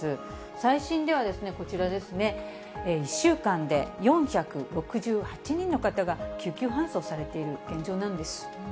最新では、こちらですね、１週間で４６８人の方が救急搬送されている現状なんです。